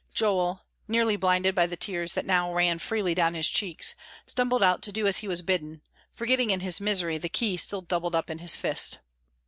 Joel, nearly blinded by the tears that now ran freely down his cheeks, stumbled out to do as he was bidden, forgetting in his misery the key still doubled up in his fist.